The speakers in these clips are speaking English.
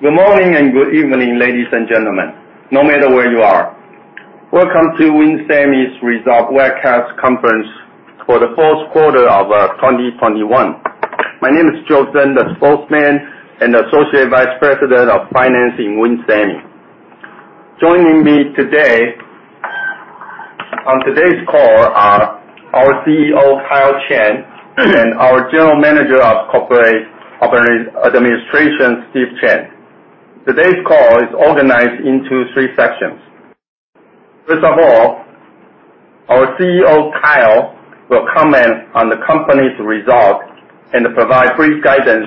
Good morning and good evening, ladies and gentlemen, no matter where you are. Welcome to WIN Semi's Results Webcast Conference for the fourth quarter of 2021. My name is Joe Tsen, the Spokesman and Associate Vice President of Finance in WIN Semi. Joining me today on today's call are our CEO, Kyle Chen, and our General Manager of Corporate Administration, Steve Chen. Today's call is organized into three sections. First of all, our CEO, Kyle, will comment on the company's results and provide brief guidance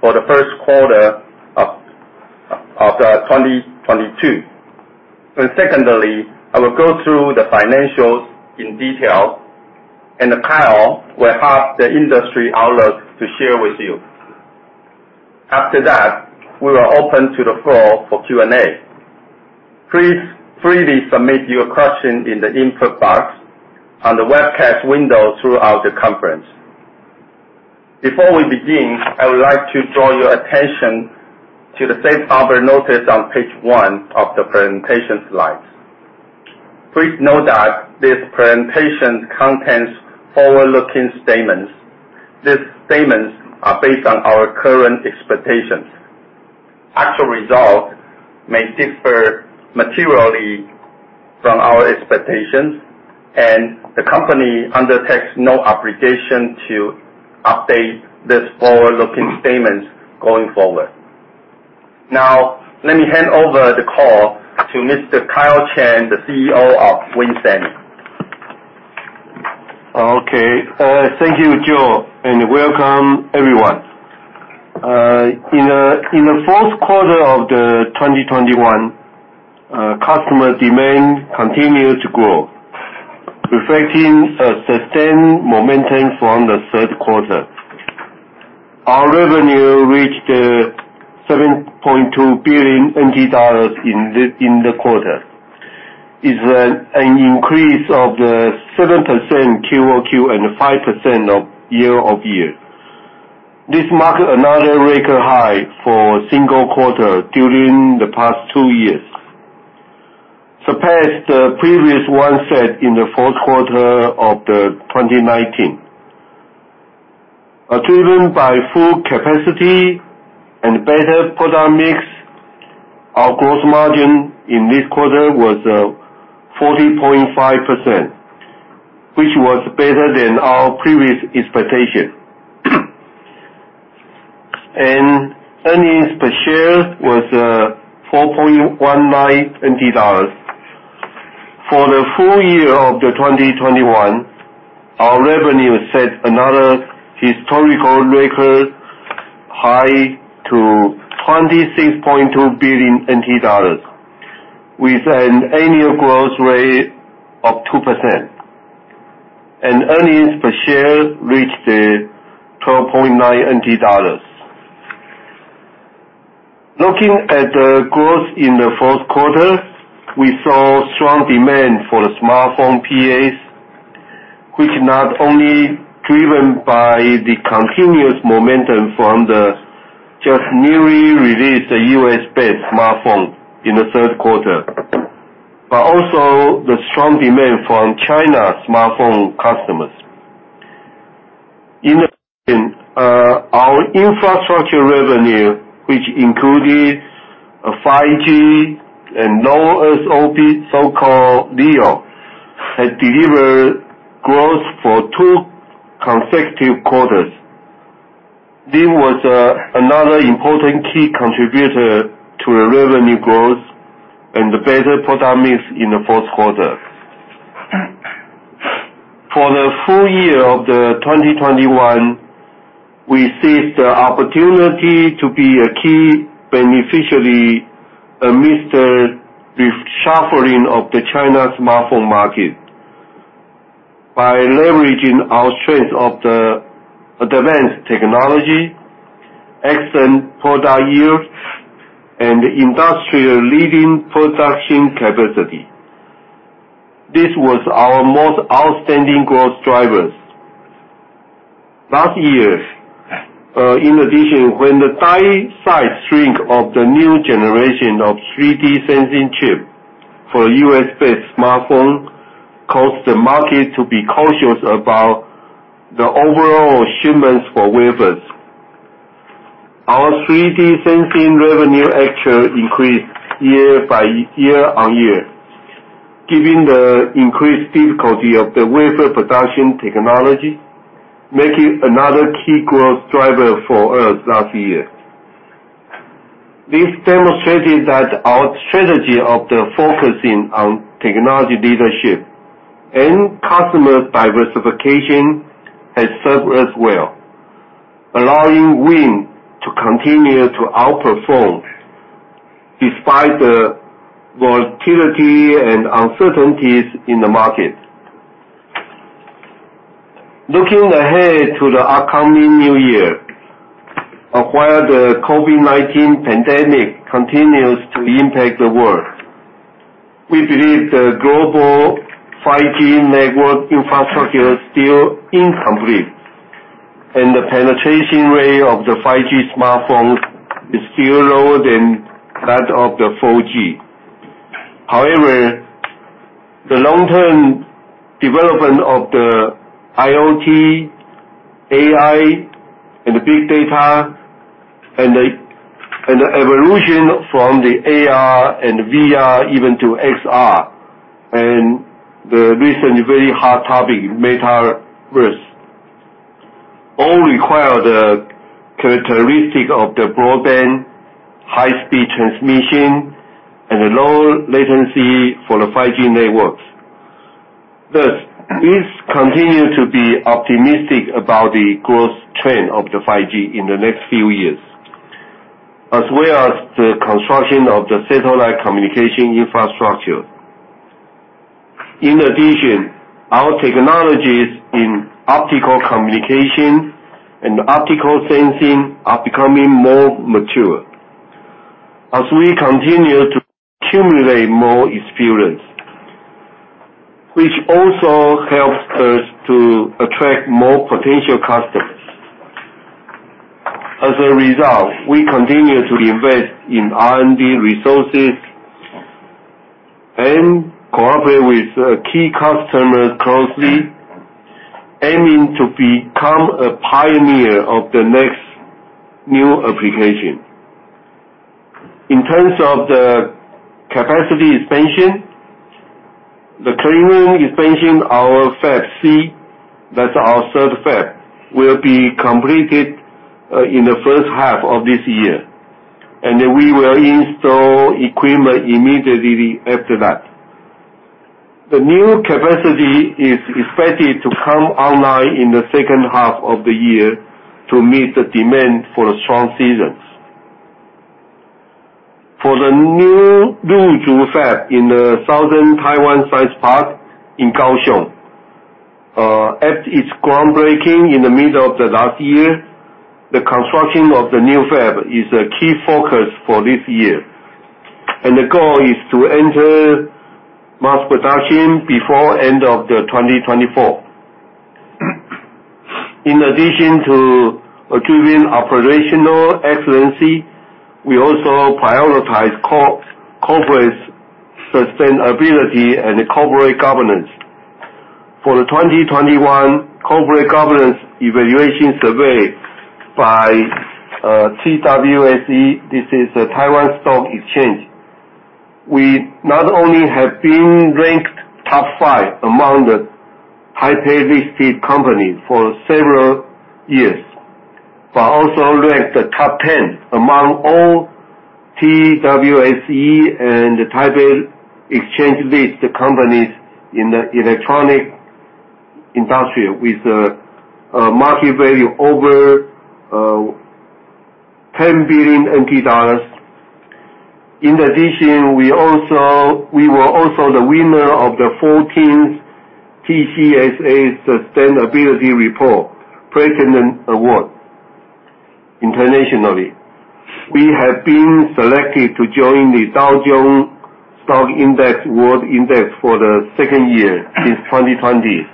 for the first quarter of 2022. Secondly, I will go through the financials in detail, and Kyle will have the industry outlook to share with you. After that, we will open to the floor for Q&A. Please freely submit your question in the input box on the webcast window throughout the conference. Before we begin, I would like to draw your attention to the safe harbor notice on page one of the presentation slides. Please note that this presentation contains forward-looking statements. These statements are based on our current expectations. Actual results may differ materially from our expectations, and the company undertakes no obligation to update these forward-looking statements going forward. Now, let me hand over the call to Mr. Kyle Chen, the CEO of WIN Semi. Okay. Thank you, Joe, and welcome everyone. In the fourth quarter of 2021, customer demand continued to grow, reflecting a sustained momentum from the third quarter. Our revenue reached 7.2 billion NT dollars in the quarter. It's an increase of 7% QoQ and 5% year-over-year. This marks another record high for a single quarter during the past two years, surpassed the previous one set in the fourth quarter of 2019. Driven by full capacity and better product mix, our gross margin in this quarter was 40.5%, which was better than our previous expectation. Earnings per share was 4.19 dollars. For the full year of 2021, our revenue set another historical record high to 26.2 billion NT dollars with an annual growth rate of 2%. Earnings per share reached 12.9 NT dollars. Looking at the growth in the fourth quarter, we saw strong demand for the smartphone PAs, which not only driven by the continuous momentum from the just newly released U.S.-based smartphone in the third quarter, but also the strong demand from China smartphone customers. In addition, our infrastructure revenue, which included, 5G and low-Earth orbit, so-called LEO, has delivered growth for two consecutive quarters. This was, another important key contributor to the revenue growth and the better product mix in the fourth quarter. For the full year of 2021, we seized the opportunity to be a key beneficiary amidst the reshuffling of the China smartphone market by leveraging our strength of the advanced technology, excellent product yield, and industry-leading production capacity. This was our most outstanding growth drivers last year. In addition, when the die size shrink of the new generation of 3D sensing chip for U.S.-based smartphone caused the market to be cautious about the overall shipments for wafers. Our 3D sensing revenue actually increased year-over-year, given the increased difficulty of the wafer production technology, making another key growth driver for us last year. This demonstrated that our strategy of the focusing on technology leadership and customer diversification has served us well, allowing WIN to continue to outperform despite the volatility and uncertainties in the market. Looking ahead to the upcoming new year, while the COVID-19 pandemic continues to impact the world. We believe the global 5G network infrastructure is still incomplete, and the penetration rate of the 5G smartphone is still lower than that of the 4G. However, the long-term development of the IoT, AI, and the big data, and the evolution from the AR and VR even to XR, and the recent very hot topic, metaverse, all require the characteristic of the broadband, high-speed transmission, and low latency for the 5G networks. Thus, we continue to be optimistic about the growth trend of the 5G in the next few years, as well as the construction of the satellite communication infrastructure. In addition, our technologies in optical communication and optical sensing are becoming more mature as we continue to accumulate more experience, which also helps us to attract more potential customers. As a result, we continue to invest in R&D resources and cooperate with key customers closely, aiming to become a pioneer of the next new application. In terms of the capacity expansion, the cleanroom expansion, our Fab C, that's our third fab, will be completed in the first half of this year, and then we will install equipment immediately after that. The new capacity is expected to come online in the second half of the year to meet the demand for the strong seasons. For the new Luzhu fab in the Southern Taiwan Science Park in Kaohsiung at its groundbreaking in the middle of the last year, the construction of the new fab is a key focus for this year, and the goal is to enter mass production before the end of 2024. In addition to achieving operational excellence, we also prioritize corporate sustainability and corporate governance. For the 2021 corporate governance evaluation survey by TWSE, this is the Taiwan Stock Exchange, we not only have been ranked top five among the Taipei-listed companies for several years but also ranked the top 10 among all TWSE and Taipei Exchange-listed companies in the electronic industry with a market value over 10 billion NT dollars. In addition, we were also the winner of the 14th TCSA Sustainability Report President Award internationally. We have been selected to join the Dow Jones Sustainability Index World for the second year since 2020.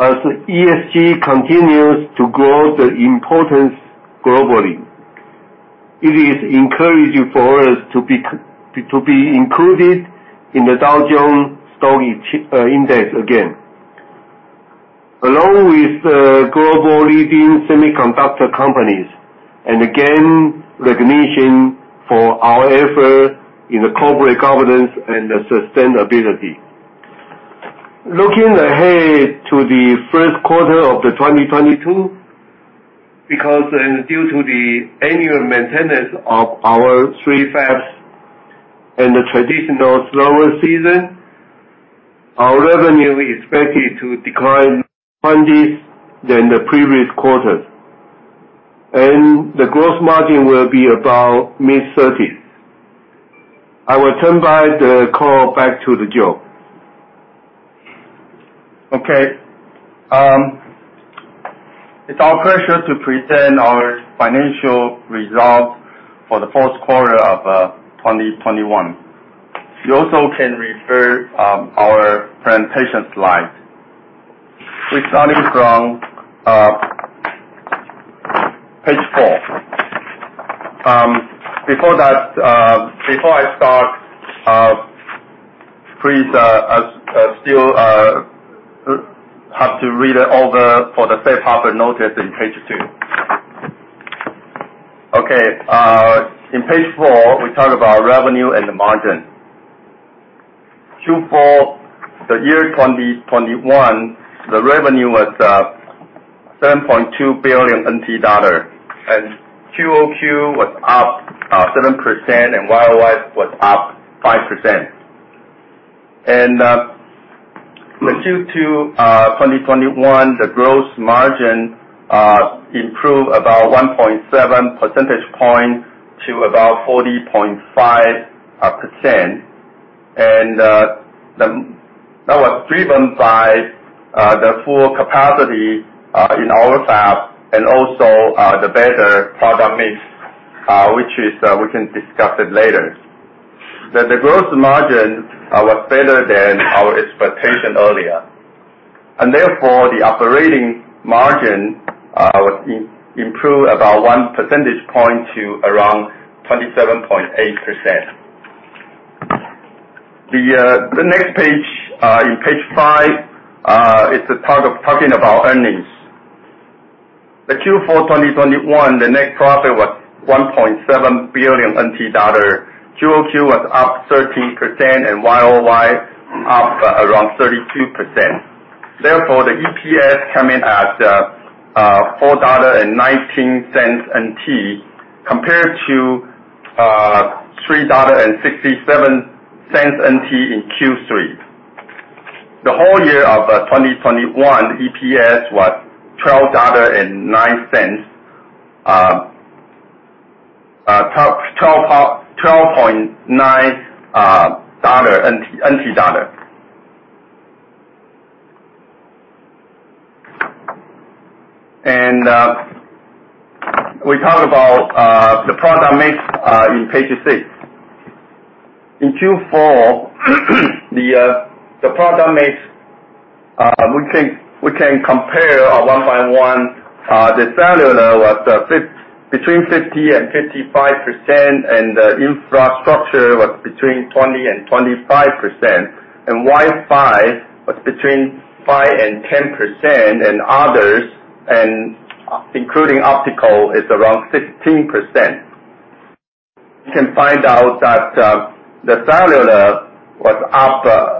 As ESG continues to grow the importance globally, it is encouraging for us to be included in the Dow Jones Sustainability Index World again, along with the global leading semiconductor companies, and again, recognition for our effort in the corporate governance and the sustainability. Looking ahead to the first quarter of 2022, because and due to the annual maintenance of our three fabs and the traditional slower season, our revenue is expected to decline 20s from the previous quarter, and the gross margin will be about mid-30s. I will turn the call back to Joe. Okay. It's our pleasure to present our financial results for the fourth quarter of 2021. You also can refer our presentation slides. We're starting from page four. Before that, before I start, please still have to read over for the safe harbor notice in page two. Okay, in page four, we talk about revenue and the margin. Q4 2021, the revenue was 7.2 billion NT dollar, and QoQ was up 7%, and YoY was up 5%. With Q2 2021, the gross margin improved about 1.7 percentage points to about 40.5%. That was driven by the full capacity in our fab and also the better product mix, which we can discuss later. The gross margin was better than our expectation earlier, and therefore the operating margin was improved about 1 percentage point to around 27.8%. The next page, in page five, is the part talking about earnings. The Q4 2021 net profit was 1.7 billion NT dollar. QoQ was up 13% and YoY up around 32%. Therefore, the EPS come in at 4.19 dollar, compared to 3.67 dollar in Q3. The whole year of 2021, EPS was TWD 12.09. We talk about the product mix in page six. In Q4, the product mix, we can compare one by one. The cellular was between 50% and 55%, and the infrastructure was between 20% and 25%. Wi-Fi was between 5% and 10%, and others, including optical, is around 16%. You can find out that the cellular was up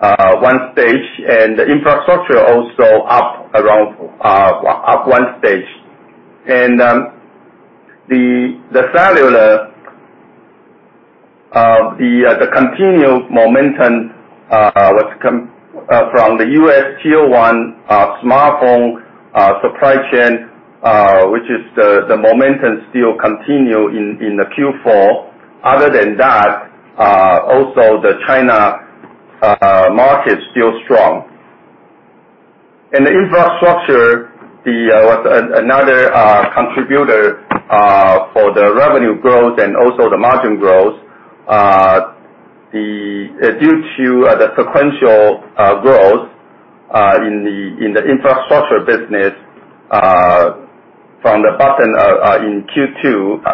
one stage, and the infrastructure also up around one stage. The cellular continued momentum was from the U.S. tier one smartphone supply chain, which the momentum still continues in the Q4. Other than that, also the China market still strong. In the infrastructure, another contributor for the revenue growth and also the margin growth due to the sequential growth in the infrastructure business from the bottom in Q2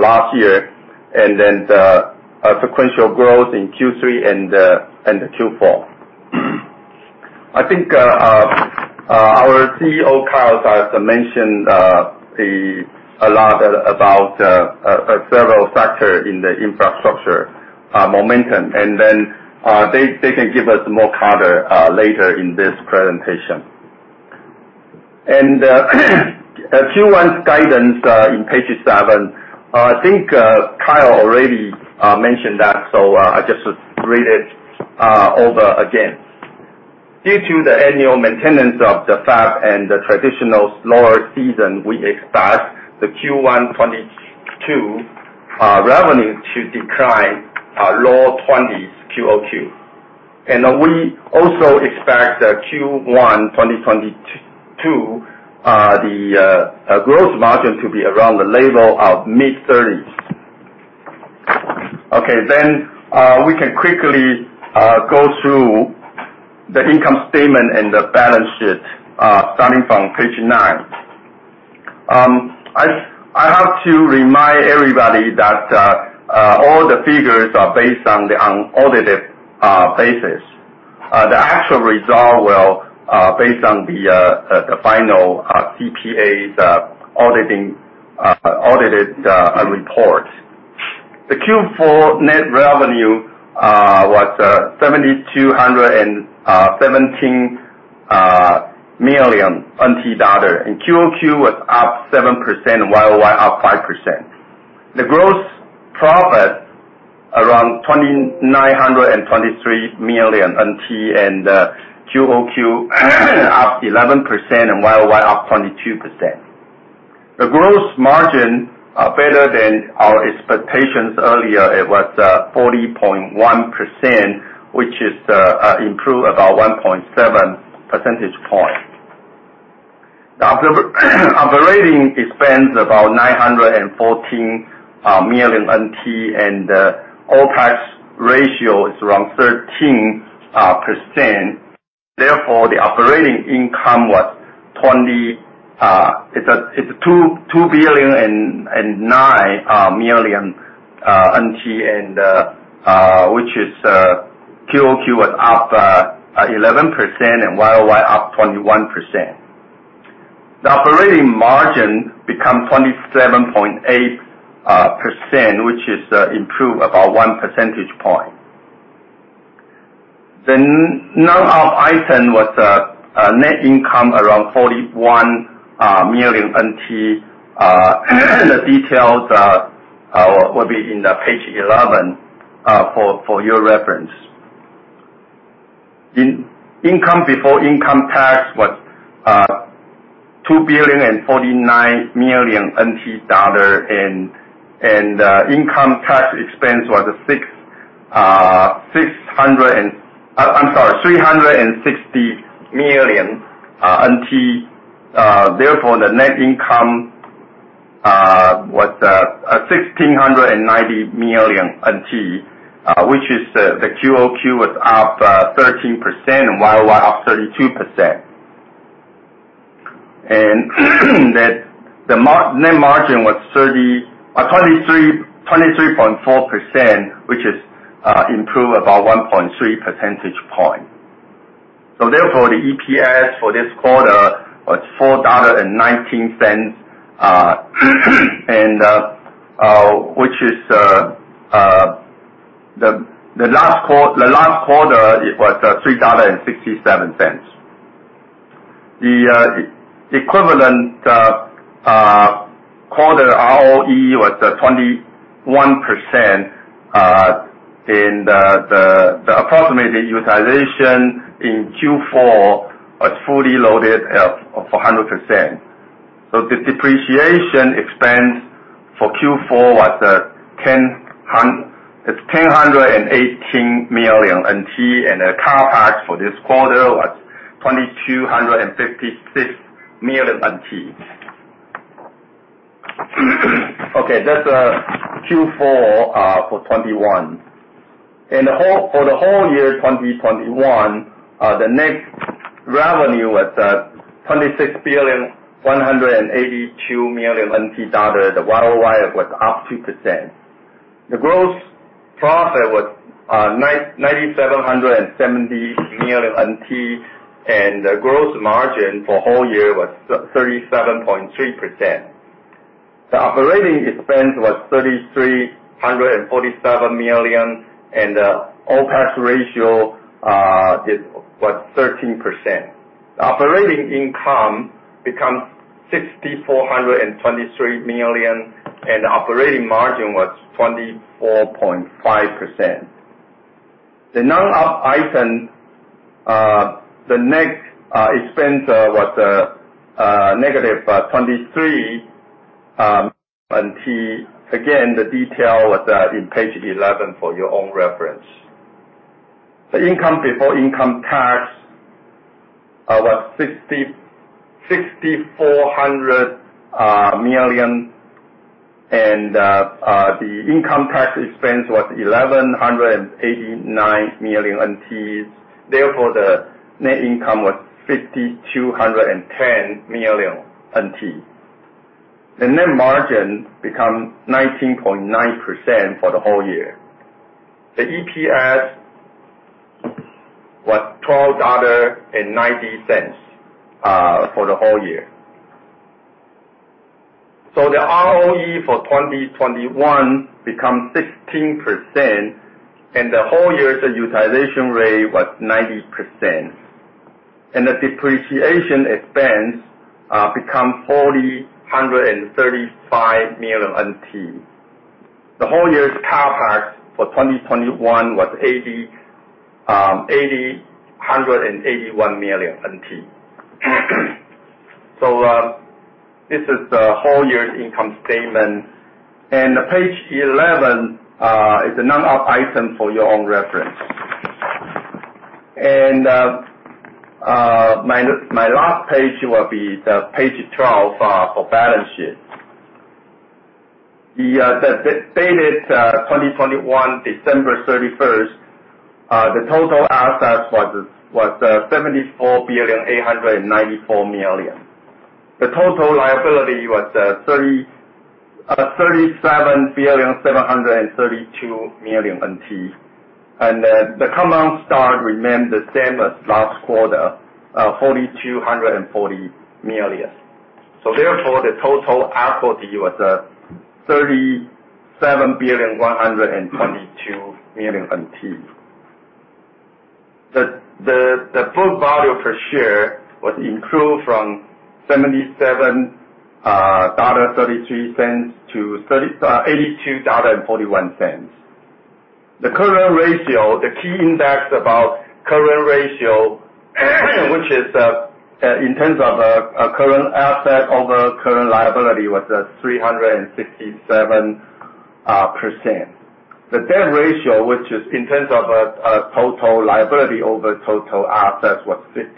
last year, and then the sequential growth in Q3 and the Q4. I think our CEO Kyle Chen has mentioned a lot about several factors in the infrastructure momentum, and then they can give us more color later in this presentation. Q1's guidance in page seven. I think Kyle already mentioned that, so I'll just read it over again. Due to the annual maintenance of the fab and the traditional slower season, we expect the Q1 2022 revenue to decline low 20s QoQ. We also expect the Q1 2022 gross margin to be around the level of mid-30s. Okay, we can quickly go through the income statement and the balance sheet starting from page nine. I have to remind everybody that all the figures are based on the unaudited basis. The actual results will be based on the final CPA's audited report. The Q4 net revenue was 7,217 million NT dollar, and QoQ was up 7%, YoY up 5%. The gross profit around 2,923 million NT, and QoQ up 11% and YoY up 22%. The gross margin are better than our expectations earlier. It was 40.1%, which is improved about 1.7 percentage points. The operating expense about 914 million NT, and the OpEx ratio is around 13%. Therefore, the operating income was TWD 2,009 million, and which is QoQ was up 11% and YoY up 21%. The operating margin become 27.8%, which is improved about one percentage point. The non-operating item was a net income around 41 million NT. The details will be on page 11 for your reference. Income before income tax was 2,049 million NT dollar and income tax expense was 360 million NT. Therefore, the net income was 1,690 million NT, which is the QoQ was up 13% and YoY up 32%. That the net margin was 23.4%, which is improved about 1.3 percentage point. Therefore, the EPS for this quarter was 4.19 dollar, which is the last quarter it was 3.67 dollar. The equivalent quarter ROE was 21%, and the approximate utilization in Q4 was fully loaded at 100%. The depreciation expense for Q4 was 1,018 million NT, and the CapEx for this quarter was 2,256 million NT. Okay, that's Q4 for 2021. For the whole year of 2021, the net revenue was 26,182 million NT dollars. The YoY was up 2%. The gross profit was 997 million NT, and the gross margin for whole year was 37.3%. The operating expense was 3,347 million, and the OpEx ratio is what? 13%. Operating income become 6,423 million, and operating margin was 24.5%. The non-op item, the net expense, was -23 million. Again, the detail was in page 11 for your own reference. The income before income tax was 6,400 million and the income tax expense was 1,189 million NT. Therefore, the net income was 5,210 million NT. The net margin become 19.9% for the whole year. The EPS was TWD 12.90 for the whole year. The ROE for 2021 become 16%, and the whole year's utilization rate was 90%. The depreciation expense become 4,035 million NT. The whole year's CapEx for 2021 was 8,081 million NT. This is the whole year's income statement, and page 11 is a non-op item for your own reference. My last page will be the page 12 for balance sheet. The dated 2021 December 31st, the total assets was 74,894 million. The total liability was 37,732 million NT. The combined start remained the same as last quarter, 4,240 million. Therefore, the total equity was 37,122 million NT. The book value per share was improved from 77.33 dollar to 82.41 dollar. The current ratio, the key index about current ratio, which is in terms of a current asset over current liability, was 367%. The debt ratio, which is in terms of a total liability over total assets, was 15%.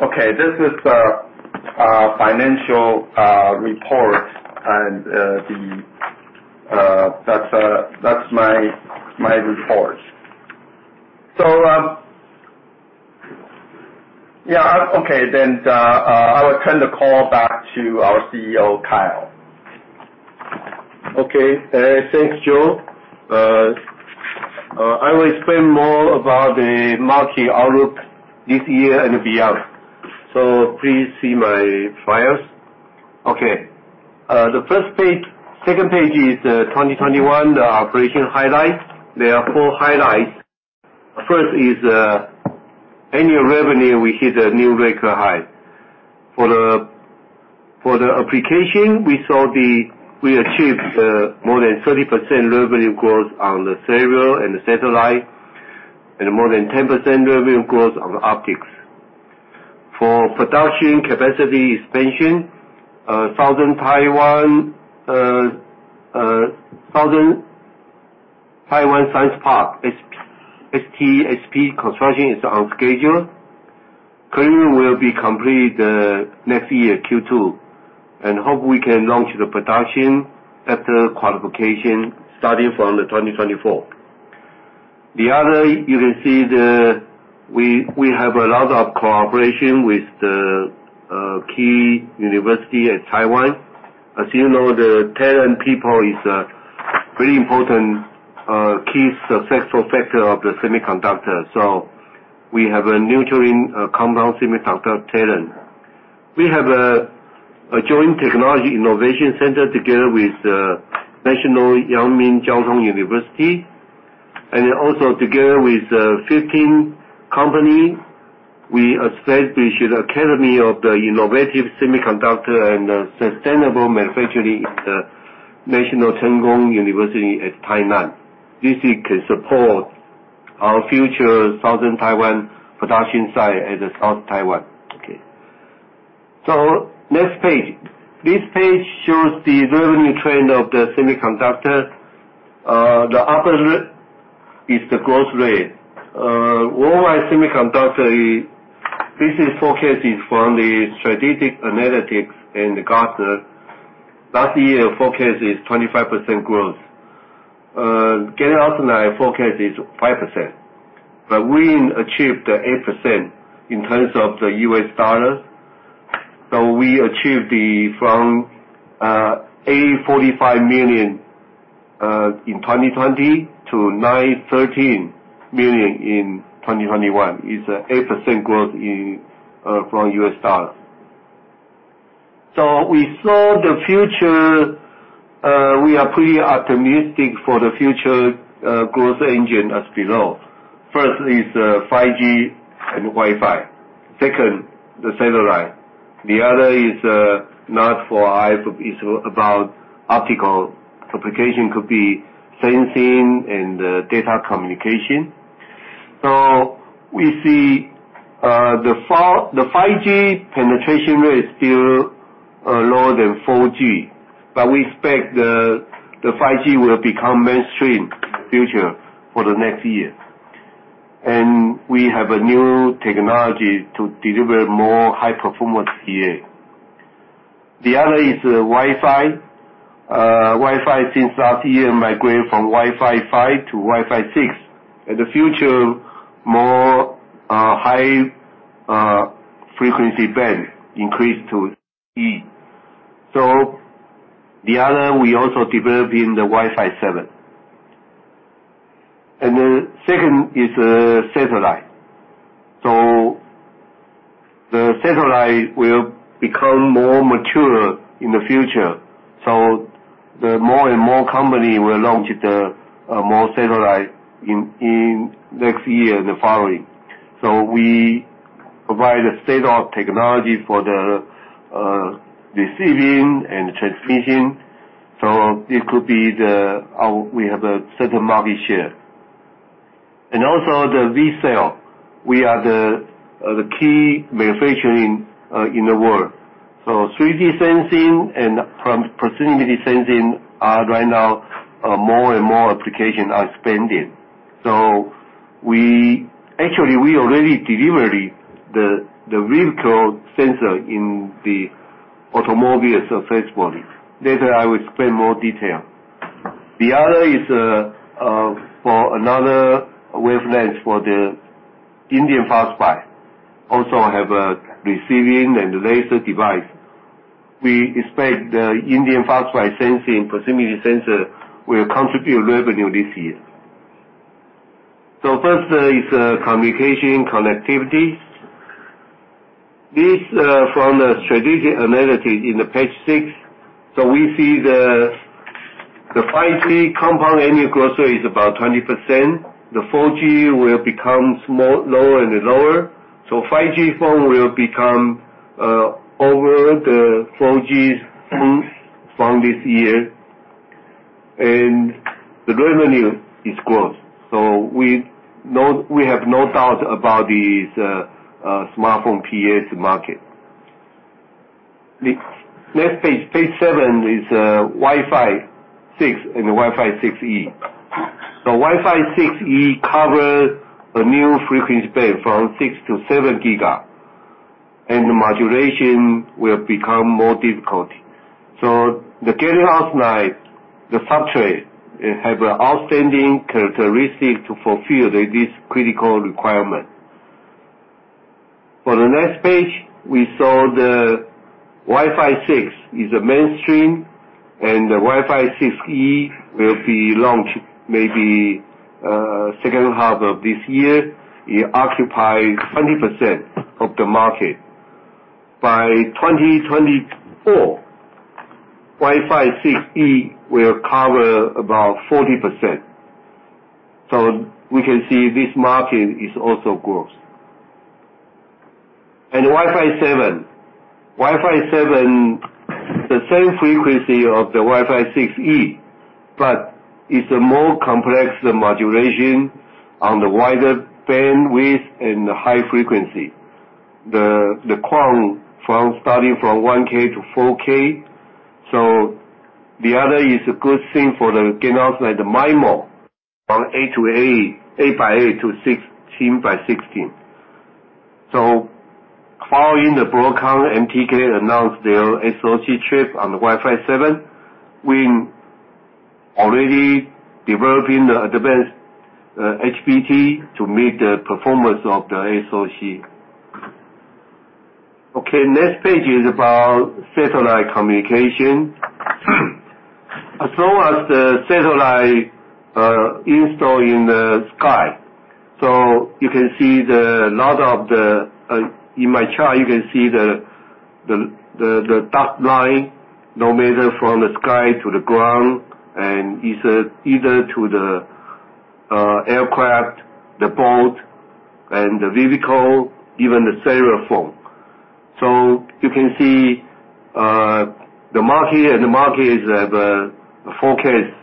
Okay, this is financial report and that's my report. Yeah. Okay, then I will turn the call back to our CEO, Kyle. Thanks, Joe. I will explain more about the market outlook this year and beyond. Please see my files. The second page is 2021, the operation highlights. There are four highlights. First is annual revenue, we hit a new record high. For the application, we achieved more than 30% revenue growth on the server and the satellite, and more than 10% revenue growth on optics. For production capacity expansion, southern Taiwan, Southern Taiwan Science Park, STSP construction is on schedule. It will be completed next year, Q2, and we hope we can launch the production after qualification starting from 2024. The other, you can see we have a lot of cooperation with the key university at Taiwan. As you know, the talent pool is a very important key success factor of the semiconductor. We have a nurturing compound semiconductor talent. We have a joint technology innovation center together with National Yang-Ming Chiao Tung University. Also together with fifteen companies, we established the Academy of Innovative Semiconductor and Sustainable Manufacturing at the National Cheng Kung University at Tainan. This can support our future southern Taiwan production site in southern Taiwan. Okay. Next page. This page shows the revenue trend of the semiconductor. The upper right is the growth rate. Worldwide semiconductor, this is forecasted from Strategy Analytics and Gartner. Last year forecast is 25% growth. Gallium arsenide forecast is 5%, but we achieved 8% in terms of the U.S. dollar. We achieved from $845 million in 2020 to $913 million in 2021, is 8% growth in U.S. dollar. We saw the future. We are pretty optimistic for the future growth engine as below. First is 5G and Wi-Fi. Second, the satellite. The other is not [for eye], it's about optical application, could be sensing and data communication. We see the 5G penetration rate is still lower than 4G, but we expect the 5G will become mainstream in the future for the next year. We have a new technology to deliver more high performance PA. The other is Wi-Fi. Wi-Fi since last year migrate from Wi-Fi 5 to Wi-Fi 6. In the future, more high frequency band increase to E. The other we also develop in the Wi-Fi 7. Second is satellite. The satellite will become more mature in the future, the more and more company will launch the more satellite in next year and the following. We provide a state-of-the-art technology for the receiving and transmission, it could be. We have a certain market share. Also the VCSEL. We are the key manufacturer in the world. 3D sensing and proximity sensing are right now more and more application are expanded. We actually already delivered the vertical sensor in the automobile surface body. Later I will explain more detail. The other is for another wavelength for the indium phosphide, also have a receiving and laser device. We expect the indium phosphide sensing proximity sensor will contribute revenue this year. First is communication connectivity. This from the Strategy Analytics in the page six. We see the 5G compound annual growth rate is about 20%. The 4G will become small, lower and lower. 5G phone will become over the 4G phones from this year. The revenue is growth. We have no doubt about this smartphone PAs market. Next page seven is Wi-Fi 6 and Wi-Fi 6E. Wi-Fi 6E cover a new frequency band from 6 GHz-7 GHz, and the modulation will become more difficult. The gallium arsenide substrate it have a outstanding characteristic to fulfill this critical requirement. For the next page, we saw the Wi-Fi 6 is a mainstream, and the Wi-Fi 6E will be launched maybe second half of this year. It occupy 20% of the market. By 2024, Wi-Fi 6E will cover about 40%. We can see this margin is also growth. Wi-Fi 7. Wi-Fi 7, the same frequency of the Wi-Fi 6E, but it's a more complex modulation on the wider bandwidth and the high frequency. The QAM from starting from 1K to 4K. So the other is a good thing for the gallium arsenide the MIMO, from 8x8 to 16x16. So following the Broadcom, MTK announced their SoC chip on the Wi-Fi 7, we already developing the advanced HBT to meet the performance of the SoC. Okay, next page is about satellite communication. As well as the satellite installed in the sky. You can see a lot of the in my chart, you can see the dot line, no matter from the sky to the ground, and either to the aircraft, the boat, and the vehicle, even the cellular phone. You can see the market, and the market forecast.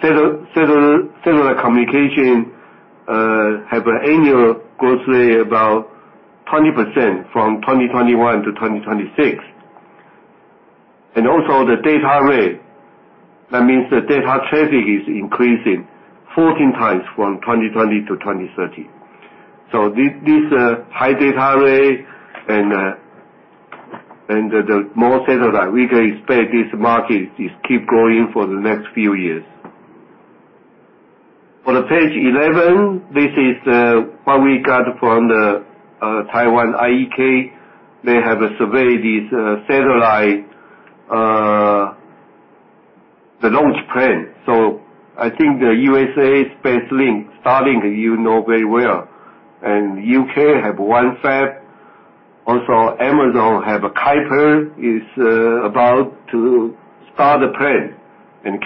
Satellite communication have an annual growth rate about 20% from 2021 to 2026. Also the data rate, that means the data traffic is increasing 14x from 2020 to 2030. This high data rate and the more satellite, we can expect this market is keep growing for the next few years. For page 11, this is what we got from the Taiwan IEK. They have surveyed this satellite, the launch plan. I think SpaceX Starlink, you know very well. U.K. have OneWeb. Also, Amazon have Kuiper, is about to start the plan.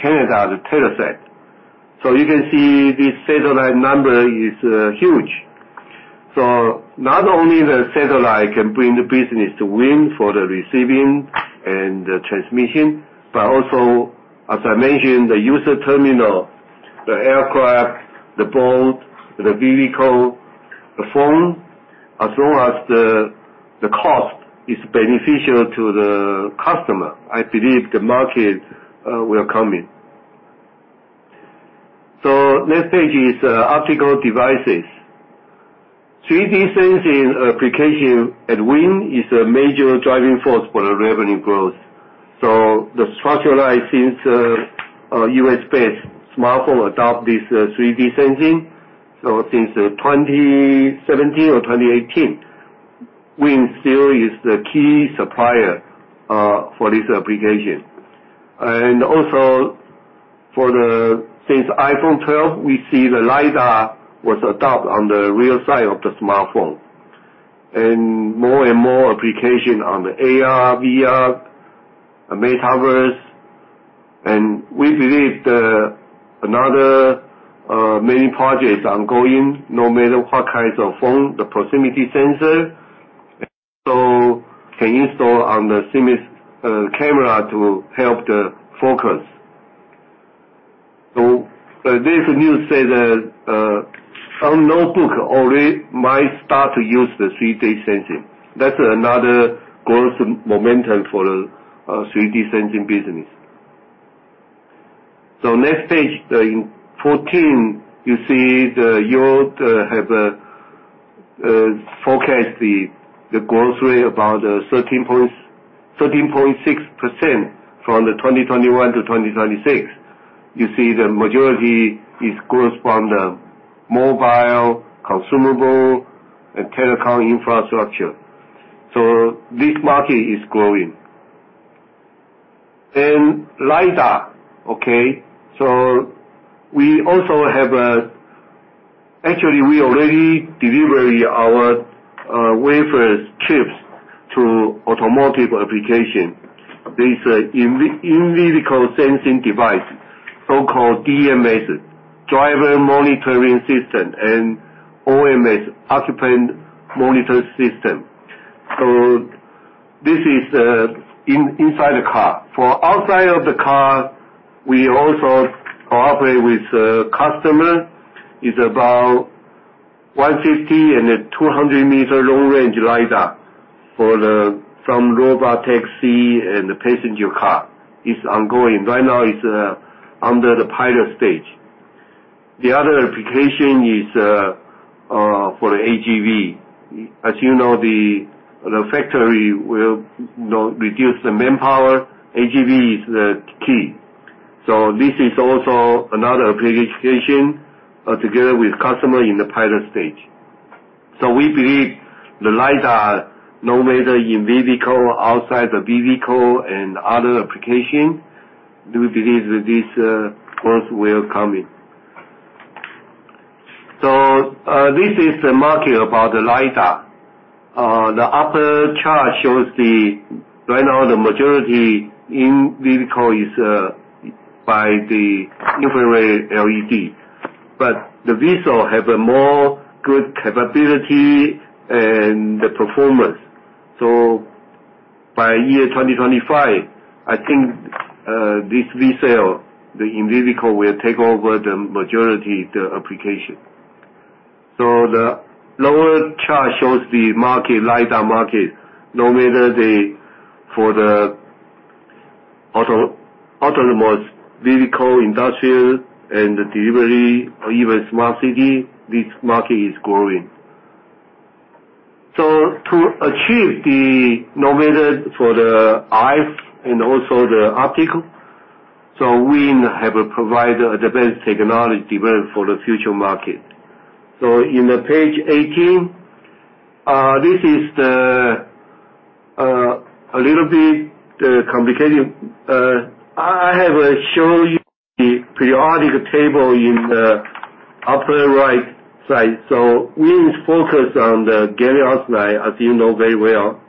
Canada, the Telesat. You can see this satellite number is huge. Not only the satellite can bring the business to WIN for the receiving and the transmission, but also, as I mentioned, the user terminal, the aircraft, the boat, the vehicle, the phone. As long as the cost is beneficial to the customer, I believe the market will come in. Next page is optical devices. 3D sensing application at WIN is a major driving force for the revenue growth. The structured light since U.S.-based smartphone adopt this 3D sensing. Since 2017 or 2018, WIN still is the key supplier for this application. Also, since iPhone 12, we see the LiDAR was adopted on the rear side of the smartphone. More and more applications on the AR, VR, metaverse. We believe that another many projects ongoing, no matter what kinds of phone, the proximity sensor can install on the lens camera to help the focus. This news says that some notebooks already might start to use the 3D sensing. That's another growth momentum for 3D sensing business. Next page, in 2014, you see the Yole have forecast the growth rate about 13.6% from 2021 to 2026. You see the majority is growth from the mobile, consumable, and telecom infrastructure. This market is growing. LiDAR. We also have, actually we already deliver our wafers chips to automotive application. This in-vehicle sensing device, so-called DMS, driver monitoring system, and OMS, occupant monitoring system. This is inside the car. For outside of the car, we also cooperate with a customer. It is about 150 m and 200 m long range LiDAr for robo-taxi and the passenger car. It's ongoing. Right now it's under the pilot stage. The other application is for the AGV. As you know, the factory will reduce the manpower. AGV is the key. This is also another application together with customer in the pilot stage. We believe the LiDAR, no matter inside the vehicle, outside the vehicle, and other application, we believe that this growth will come. This is the market about the LiDAR. The upper chart shows the right now the majority in-vehicle is by the infrared LED. But the VCSEL have a more good capability and the performance. By year 2025, I think this VCSEL, the in-vehicle will take over the majority of the application. The lower chart shows the market, LiDAR market, no matter for the autonomous vehicle, industrial and delivery or even smart city, this market is growing. To achieve the innovation for the RF and also the optical, WIN have provided the best technology development for the future market. On page 18, this is a little bit complicated. I have shown you the periodic table in the upper right side. We focus on the gallium arsenide, as you know very well,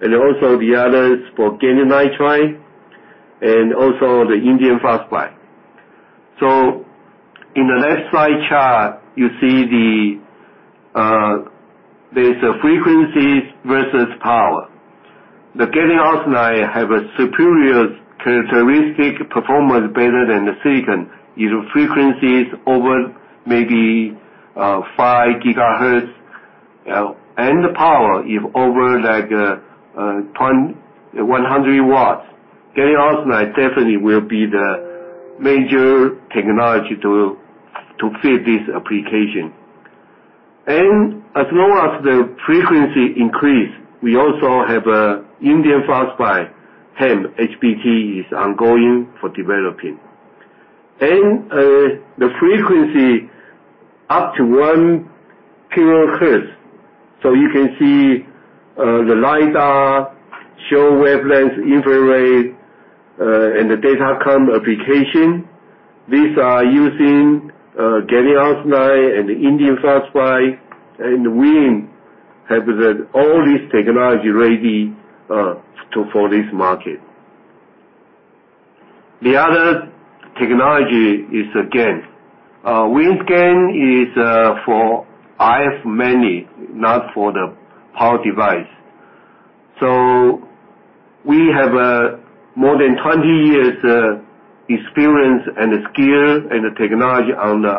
and also the others for gallium nitride, and also the indium phosphide. In the next slide chart, you see there is a frequencies versus power. The gallium arsenide have a superior characteristic performance better than the silicon. In frequencies over maybe 5 GHz, and the power if over like 100 W, gallium arsenide definitely will be the major technology to fit this application. As long as the frequency increase, we also have indium phosphide, HEMT, HBT is ongoing for developing. The frequency up to 1 THz. You can see the LiDAR, short wavelength infrared, and the data comm application. These are using gallium arsenide and indium phosphide, and WIN have all this technology ready for this market. The other technology is the GaN. WIN's GaN is for RF mainly, not for the power device. We have more than 20 years experience and skill and technology on the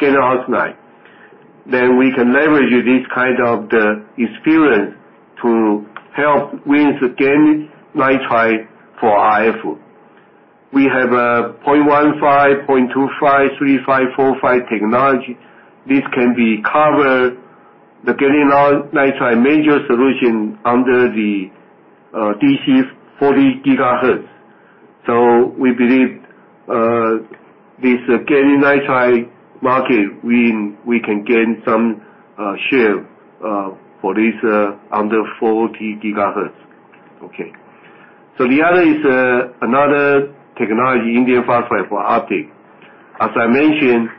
gallium arsenide. We can leverage this kind of the experience to help WIN's gallium nitride for RF. We have 0.15, 0.25, 0.35, 0.45 technology. This can be covered the gallium nitride major solution under the DC 40 GHz. We believe this gallium nitride market, we can gain some share for this under 40 GHz. Okay. The other is another technology, indium phosphide for optic. As I mentioned,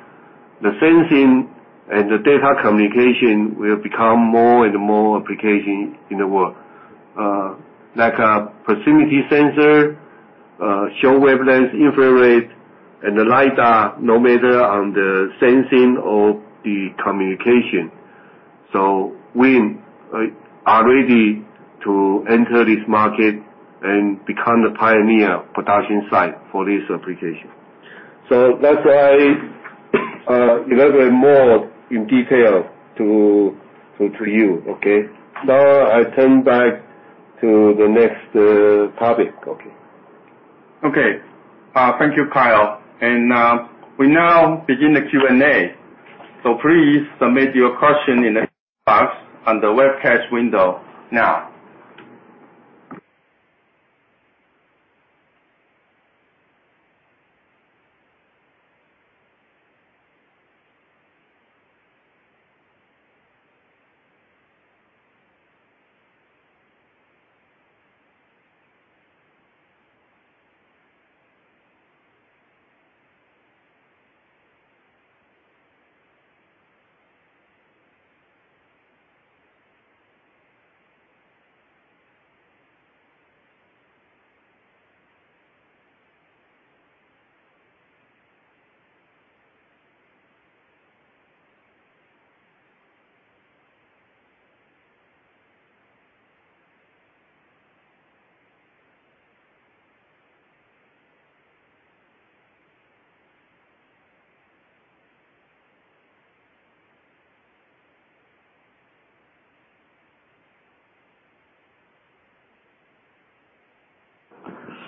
the sensing and the data communication will become more and more application in the world, like a proximity sensor, short-wavelength infrared and the LiDAR, no matter on the sensing or the communication. We are ready to enter this market and become the pioneer production site for this application. That's why I'll tell you more in detail, okay? Now I turn back to the next topic. Okay. Okay. Thank you, Kyle. We now begin the Q&A. Please submit your question in the Q&A box on the webcast window now.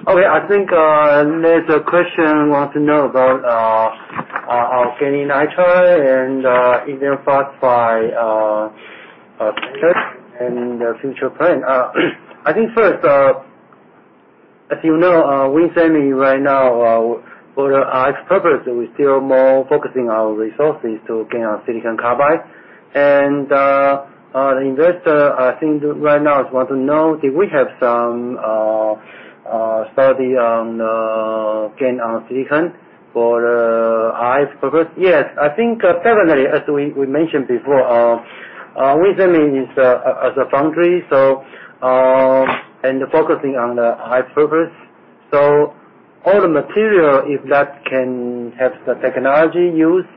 Okay, I think there's a question want to know about our gallium nitride and indium phosphide status and the future plan. I think first, as you know, WIN Semi right now for the RF purpose, we're still more focusing our resources to GaN on silicon carbide. The investor, I think right now want to know if we have some study on GaN on silicon for RF purpose. Yes. I think certainly, as we mentioned before, recently as a foundry and focusing on the RF purpose. All the material, if that can have the technology used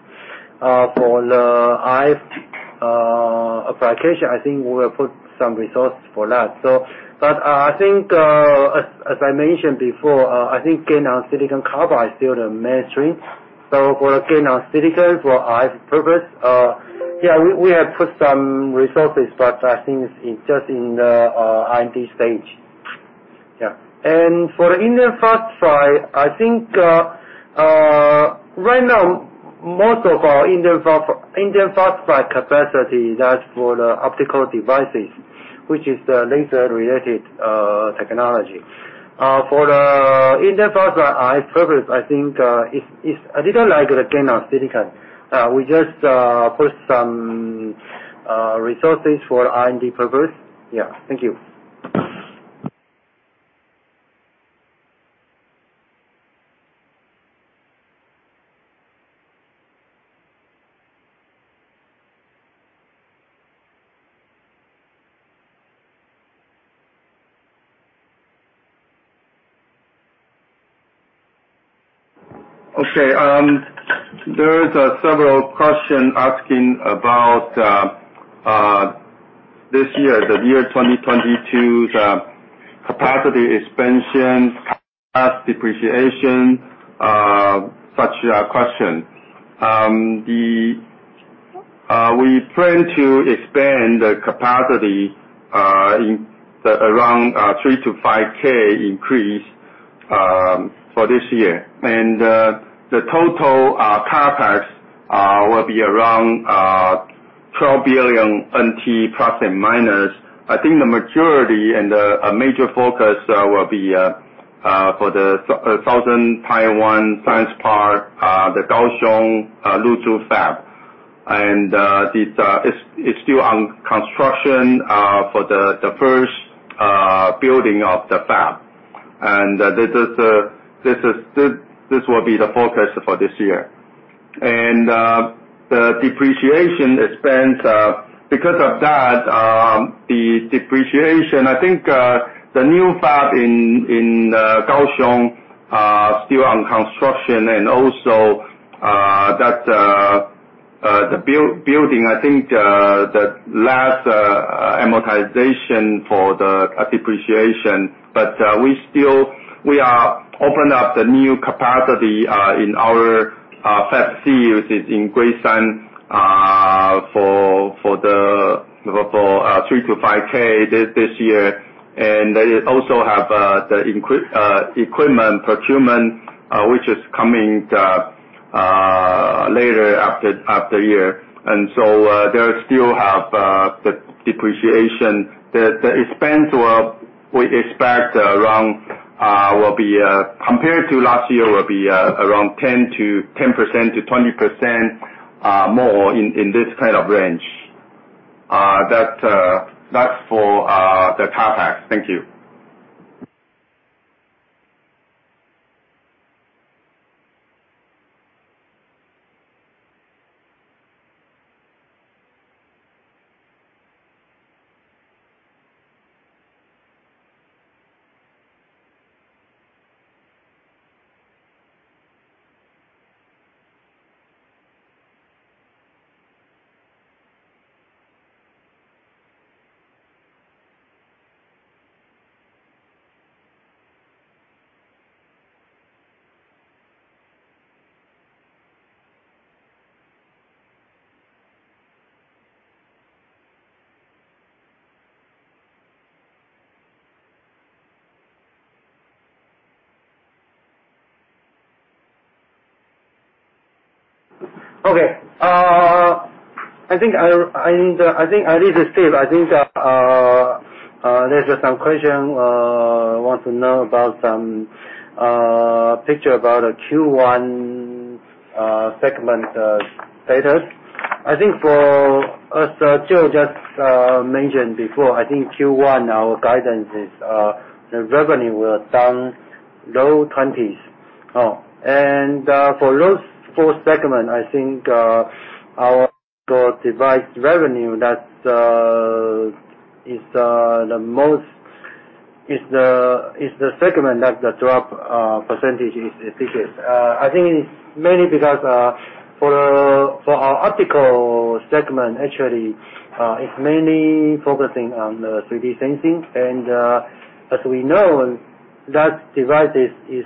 for the RF application, I think we will put some resources for that. I think, as I mentioned before, I think GaN on silicon carbide is still the mainstream. For GaN on silicon, for RF purpose, yeah, we have put some resources, but I think it's just in the R&D stage. Yeah. For the indium phosphide, I think, right now, most of our indium phosphide capacity is that for the optical devices, which is the laser-related technology. For the indium phosphide RF purpose, I think, it's a little like the GaN on silicon. We just put some resources for R&D purpose. Yeah. Thank you. Okay. There is several question asking about this year, the year 2022, the capacity expansion, CapEx depreciation, such question. We plan to expand the capacity in around 3,000 to 5,000 increase for this year. The total CapEx will be around 12 billion NT ±. I think the majority and a major focus will be for the Southern Taiwan Science Park, the Kaohsiung Luzhu fab. It's still on construction for the first building of the fab. This will be the focus for this year. The depreciation expense, because of that, the depreciation, I think, the new fab in Kaohsiung still on construction and also the building, I think, the last amortization for the depreciation. We still are opened up the new capacity in our Fab C, which is in Guishan, for 3,000 to 5,000 this year. They also have the equipment procurement, which is coming later after year. They still have the depreciation. The expense, we expect, will be, compared to last year, around 10%-20% more in this kind of range. That's for the CapEx. Thank you. I think I need to state I think there's some question want to know about some picture about Q1 segment status. I think as Joe just mentioned before, I think Q1 our guidance is the revenue was down low 20s. For those four segments, I think our device revenue is the segment that the drop percentage is biggest. I think it's mainly because for our optical segment, actually it's mainly focusing on the 3D sensing. As we know, that devices is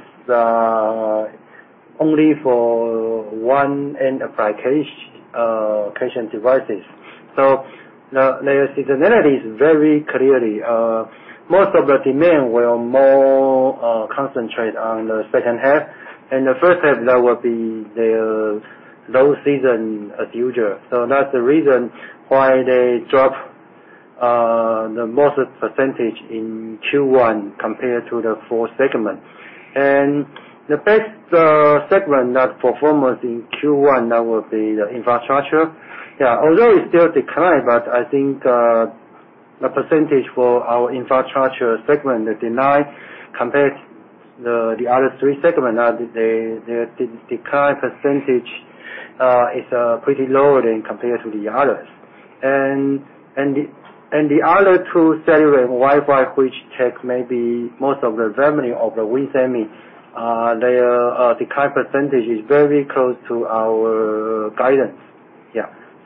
only for one end application devices. The seasonality is very clear most of the demand will more concentrate on the second half. In the first half, that will be the low season usual. That's the reason why they dropped the most percentage in Q1 compared to the four segments. The best segment that performed in Q1, that would be the infrastructure. Although it's still declined, but I think the percentage for our infrastructure segment, the decline compared to the other three segments, the decline percentage is pretty low compared to the others. The other two cellular and Wi-Fi, which take maybe most of the revenue of the WIN Semi, their decline percentage is very close to our guidance.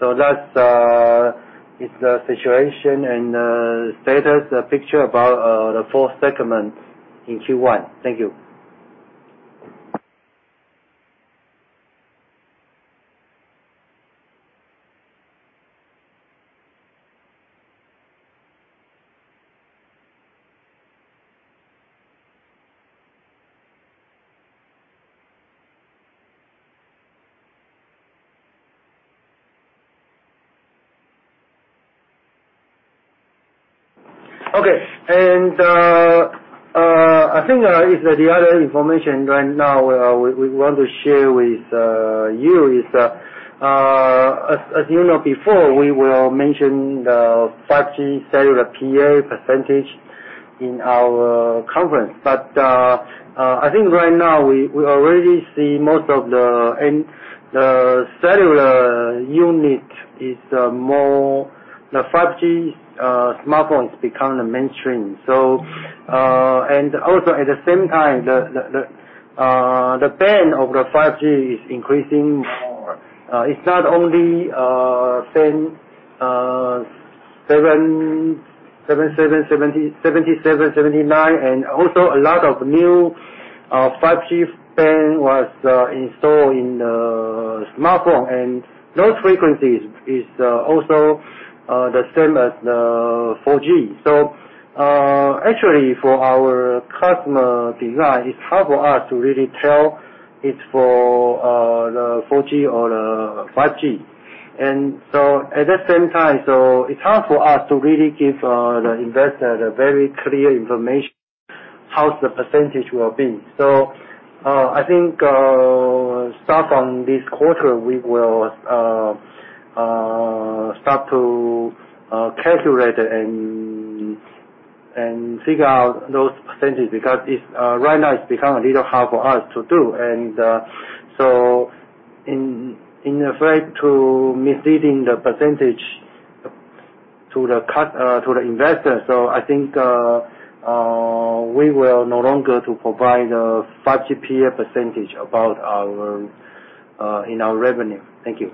That's the situation and status, the picture about the four segments in Q1. Thank you. Okay. I think this is the other information right now we want to share with you is, as you know, before, we will mention the 5G cellular PA percentage in our conference. I think right now we already see most of the cellular unit is more. The 5G smartphones become the mainstream. And also at the same time, the band of the 5G is increasing more. It's not only the same n77, n78, n79, and also a lot of new 5G band was installed in the smartphone. Those frequencies is also the same as the 4G. Actually, for our customer design, it's hard for us to really tell it's for the 4G or the 5G. It's hard for us to really give the investor the very clear information how the percentage will be. I think start from this quarter, we will start to calculate and figure out those percentage because right now it's become a little hard for us to do. Afraid to misleading the percentage to the investor, I think we will no longer to provide a 5G PA percentage about our in our revenue. Thank you.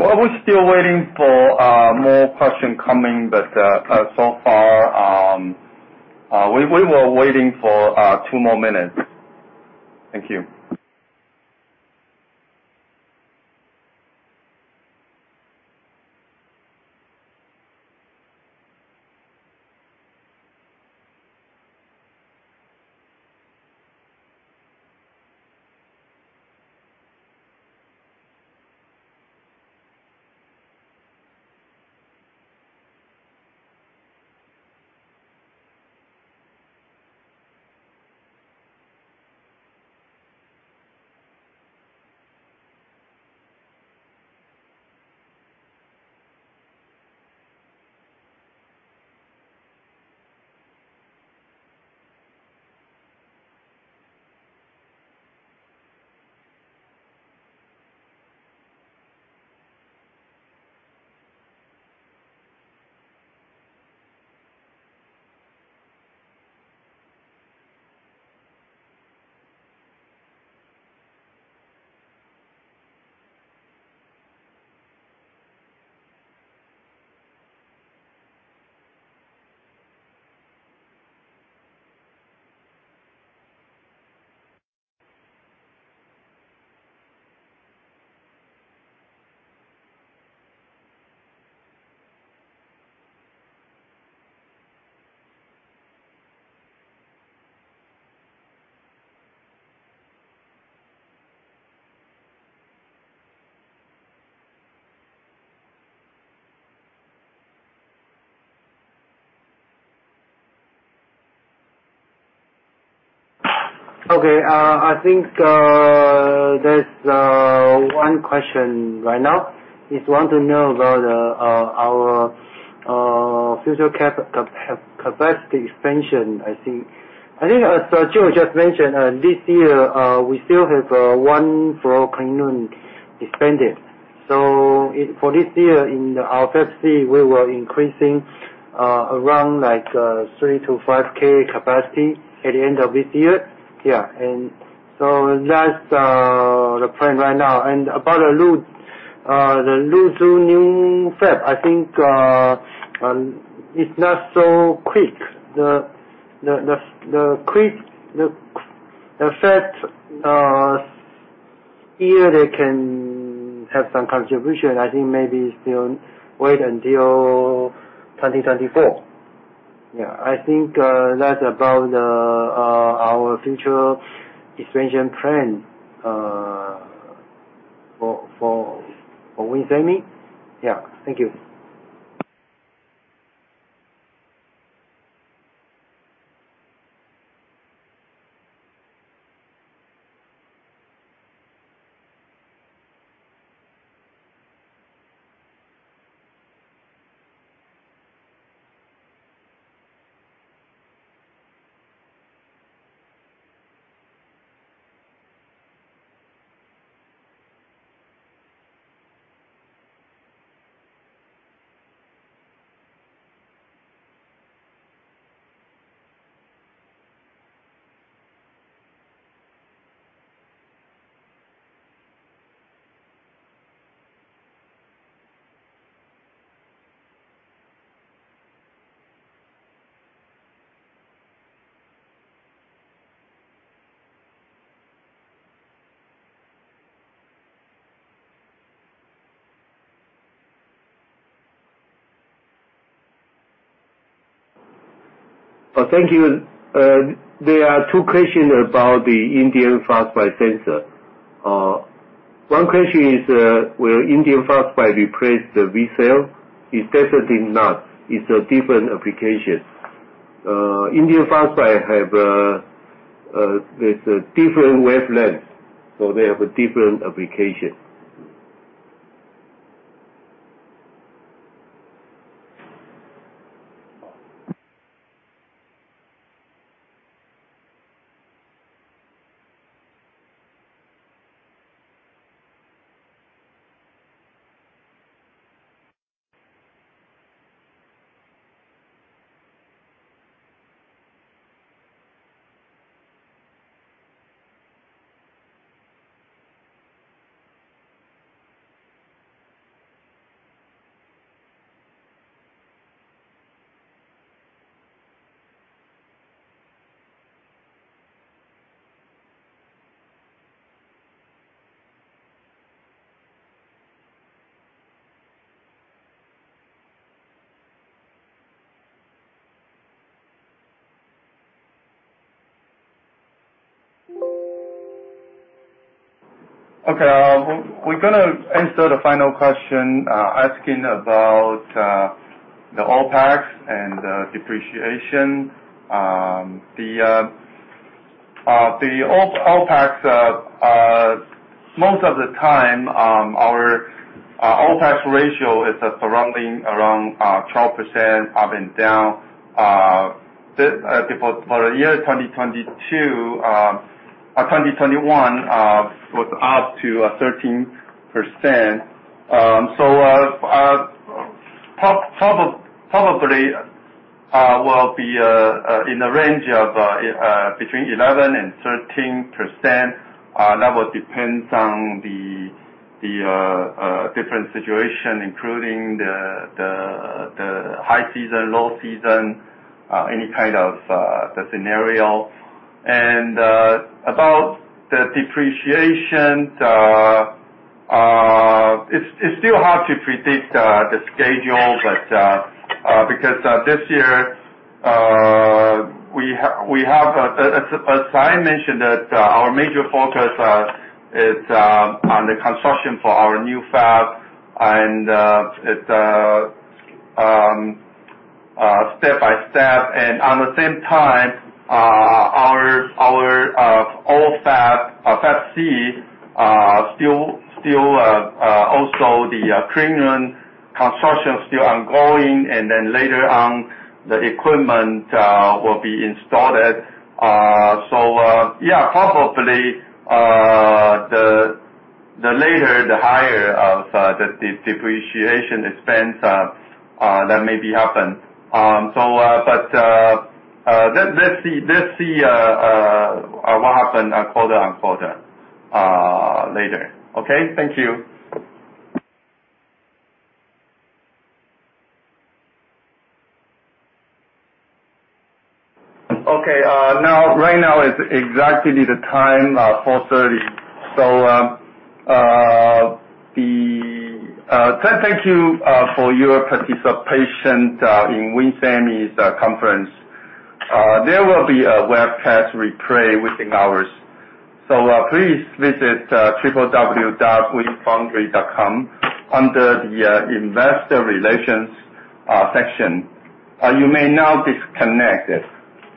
Well, we're still waiting for more question coming, but so far, we were waiting for two more minutes. Thank you. Okay.I think there's one question right now, is want to know about our future capacity expansion, I think. I think as Joe just mentioned, this year we still have one full cleanroom expanded. For this year in our Fab C, we were increasing around like 3,000 to 5,000 capacity at the end of this year. Yeah. That's the plan right now. About the Luzhu, the Luzhu new fab, I think it's not so quick. The year the fab can have some contribution, I think maybe still wait until 2024. Yeah. I think that's about our future expansion plan for WIN Semi. Yeah. Thank you. Thank you. There are two questions about the indium phosphide sensor. One question is, will indium phosphide replace the VCSEL? It's definitely not. It's a different application. Indium phosphide has a different wavelength, so they have a different application. Okay. We're gonna answer the final question asking about the OpEx and depreciation. The OpEx, most of the time, our OpEx ratio is surrounding around 12%, up and down. For the year 2021 was up to 13%. Probably, we'll be in the range of between 11%-13%. That will depends on the different situation, including the high season, low season, any kind of the scenario. About the depreciation, it's still hard to predict the schedule, but because this year we have, as Kyle mentioned that, our major focus is on the construction for our new fab, and it's step-by-step. At the same time, our old fab, Fab C, still also the cleanroom construction ongoing, and then later on, the equipment will be installed. So yeah, probably the later, the higher of the depreciation expense that maybe happen. So but let's see what happen further and further later. Okay? Thank you. Okay. Now, right now it's exactly the time 4:30. Thank you for your participation in WIN Semi's conference. There will be a webcast replay within hours. Please visit www.winfoundry.com under the Investor Relations section. You may now disconnect.